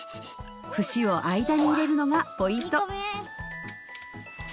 節を間に入れるのがポイント